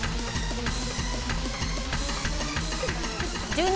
１２。